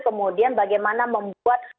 kemudian bagaimana membuat